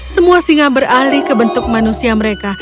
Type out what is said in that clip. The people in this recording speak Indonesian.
semua singa beralih ke bentuk manusia mereka